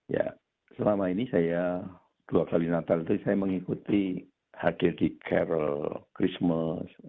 ya selama ini saya dua kali natal itu saya mengikuti hadir di carror christmas